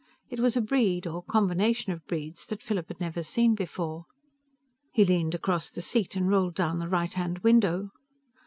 It was a breed or combination of breeds that Philip had never seen before. He leaned across the seat and rolled down the right hand window.